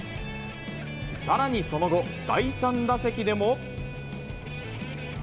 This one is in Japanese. さらにその後、第３打席でも。